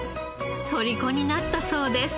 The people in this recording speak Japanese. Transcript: とりこになったそうです。